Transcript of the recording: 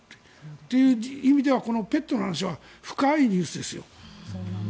という意味ではこのペットの話は深いニュースですよ。